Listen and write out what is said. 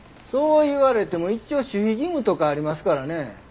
そう言われても一応守秘義務とかありますからね。